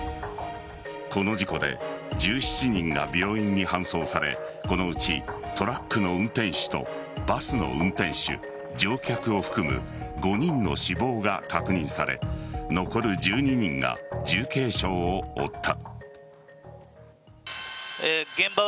この事故で１７人が病院に搬送されこのうちトラックの運転手とバスの運転手、乗客を含む５人の死亡が確認され残る１２人が重軽傷を負った。